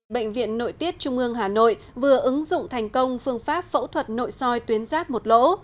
bệnh viện nội tiết trung ương hà nội vừa ứng dụng thành công phương pháp phẫu thuật nội soi tuyến giáp một lỗ